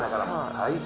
最高！